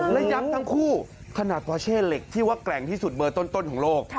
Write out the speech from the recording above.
และย้ำทั้งคู่ขนาดวาเช่เหล็กที่ว่าแกร่งที่สุดเบอร์ต้นของโลก